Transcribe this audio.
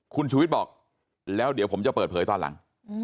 คุณชูวิทย์บอกแล้วเดี๋ยวผมจะเปิดเผยตอนหลัง